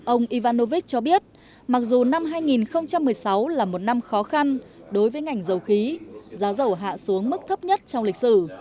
ông ivanovich cho biết mặc dù năm hai nghìn một mươi sáu là một năm khó khăn đối với ngành dầu khí giá dầu hạ xuống mức thấp nhất trong lịch sử